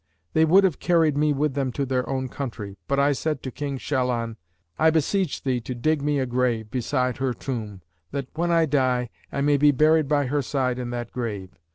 They would have carried me with them to their own country; but I said to King Shahlan, 'I beseech thee to dig me a grave beside her tomb, that, when I die, I may be buried by her side in that grave.'